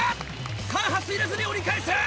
間髪入れずに折り返す。